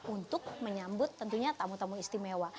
untuk menyambut tentunya tamu tamu istimewa